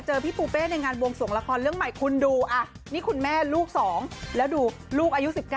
พี่ปูเป้ในงานบวงสวงละครเรื่องใหม่คุณดูนี่คุณแม่ลูก๒แล้วดูลูกอายุ๑๙